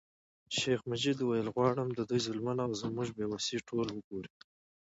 شیخ مجید ویل غواړم د دوی ظلمونه او زموږ بې وسي ټول وګوري.